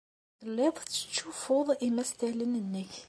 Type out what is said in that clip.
Telliḍ tettcuffuḍ imastalen-nnek.